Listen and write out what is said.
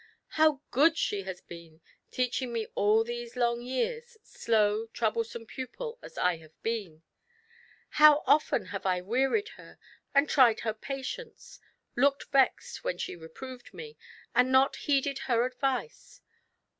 How good she has been, teaching me all these long years, slow, troublesome pupil as I have been ! How often have I wearied her, and tried her patience ; looked vexed when she reproved me, and not heeded her advice